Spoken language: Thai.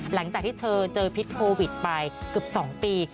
หลังจากที่เธอเจอพิษโควิดไปเกือบ๒ปี